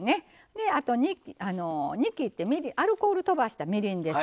であと煮きってアルコールとばしたみりんです。